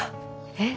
えっ！